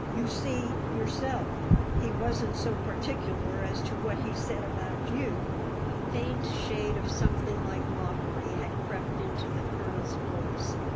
You see yourself, he wasn't so particular as to what he said about you." A faint shade of something like mockery had crept into the colonel's voice.